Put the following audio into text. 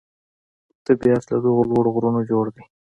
طبیعت له دغو لوړو غرونو جوړ دی.